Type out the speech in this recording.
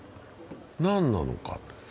何なのか。